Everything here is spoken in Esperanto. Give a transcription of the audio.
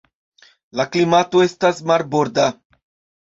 La klimato estas marborda.